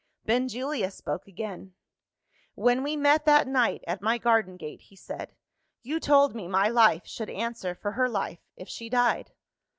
Benjulia spoke again. "When we met that night at my garden gate," he said, "you told me my life should answer for her life, if she died.